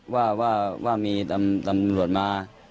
ว่ามีตำรวจมา